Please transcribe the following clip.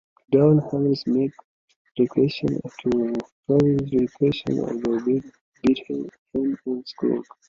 Donald, however, makes references to a previous encounter between him and Scrooge.